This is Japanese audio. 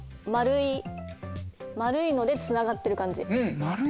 丸いのでつながってる感じ？